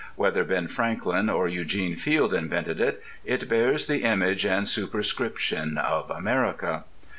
Whether Ben Franklin or Eugene Field invented it, it bears the image and superscription of America.